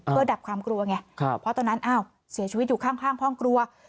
เพื่อดับความกลัวไงเพราะตอนนั้นอ้าวเสียชีวิตอยู่ข้างห้องครัว